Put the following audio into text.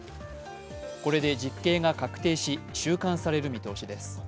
これで実刑が確定し、収監される見通しです。